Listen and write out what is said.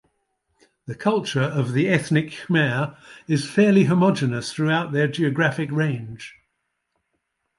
The culture of the ethnic Khmer is fairly homogeneous throughout their geographic range.